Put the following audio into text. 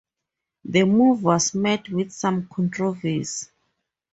The move was met with some controversy.